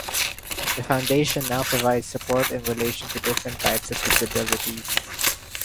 The Foundation now provides support in relation to different types of disabilities.